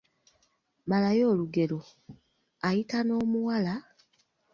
Malayo olugero; Ayita n’omuwala …